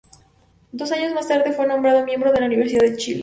Dos años más tarde, fue nombrado miembro de la Universidad de Chile.